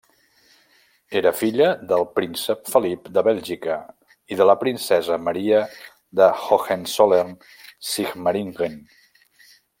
Era filla del príncep Felip de Bèlgica i de la princesa Maria de Hohenzollern-Sigmaringen.